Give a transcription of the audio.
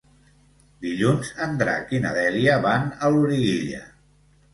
Dilluns en Drac i na Dèlia van a Loriguilla.